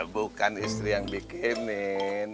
bukan istri yang bikinin